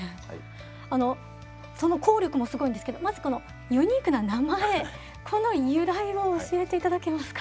あのその効力もすごいんですけどまずこのユニークな名前この由来を教えていただけますか？